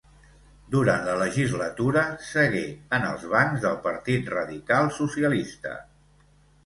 Durant la legislatura, segué en els bancs del partit radical socialista.